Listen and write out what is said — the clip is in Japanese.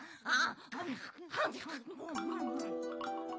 ああ。